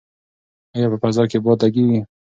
ایا په فضا کې باد لګیږي؟